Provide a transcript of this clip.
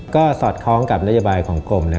ก็สอดคล้องกับนโยบายของกรม